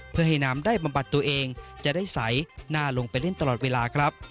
เพื่อให้น้ำได้บำบัดตัวเองจะได้ใสหน้าลงไปเล่นตลอดเวลาครับ